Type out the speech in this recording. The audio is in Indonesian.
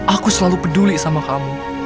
aku selalu peduli sama kamu